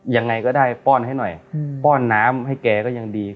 ยังไงก็ได้ป้อนให้หน่อยป้อนน้ำให้แกก็ยังดี